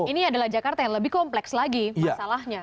ini adalah jakarta yang lebih kompleks lagi masalahnya